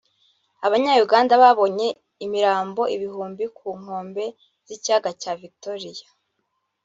“Abanya-Uganda babonye imirambo ibihumbi ku nkombe z’Ikiyaga cya Victoria